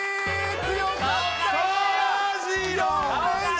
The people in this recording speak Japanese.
強かった。